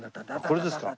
これですか？